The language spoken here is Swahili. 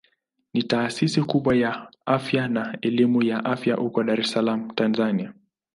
Ni taasisi kubwa ya afya na elimu ya afya huko Dar es Salaam Tanzania.